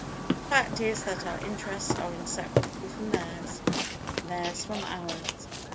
The fact is that our interests are inseparable from theirs, and theirs from ours.